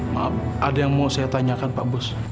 maaf ada yang mau saya tanyakan pak bus